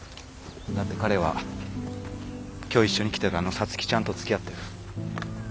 だって彼は今日一緒に来てるあの皐月ちゃんとつきあってる。